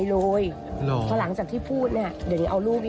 อรอสารก้าว